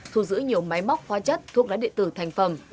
thu giữ nhiều máy móc hoa chất thuốc lá địa tử thành phẩm